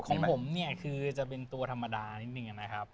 ของผมจะเป็นตัวธรรมดานิดหมดนะครับ